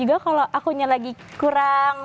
juga kalau aku nya lagi kurang